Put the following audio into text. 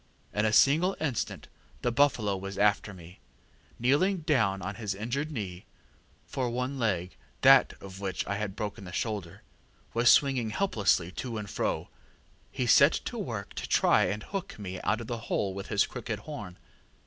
In a single instant the buffalo was after me. Kneeling down on his uninjured knee for one leg, that of which I had broken the shoulder, was swinging helplessly to and fro he set to work to try and hook me out of the hole with his crooked horn.